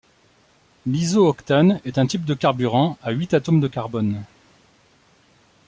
L'iso-octane est un type de carburant à huit atomes de carbone.